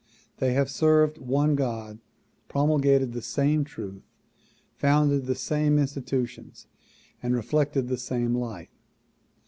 They have served one God, pro mulgated the same truth, founded the same institutions and reflected the same light.